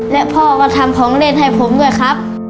และพ่อก็ทำของเล่นให้ผมด้วยครับ